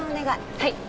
はい！